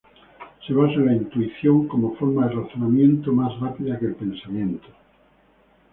Se basa en la intuición como forma de razonamiento más rápida que el pensamiento.